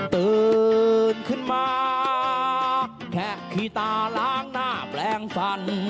ตื่นขึ้นมาแค่ขี้ตาล้างหน้าแปลงฟัน